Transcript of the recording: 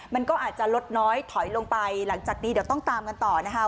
มันก็อาจจะลดน้อยถอยลงไปหลังจากนี้เดี๋ยวต้องตามกันต่อนะคะ